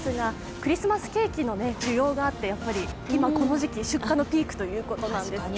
クリスマスケーキの需要があって、今、この時期、出荷のピークということなんですって。